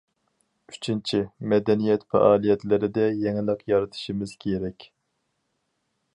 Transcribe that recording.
ئۈچىنچى، مەدەنىيەت پائالىيەتلىرىدە يېڭىلىق يارىتىشىمىز كېرەك.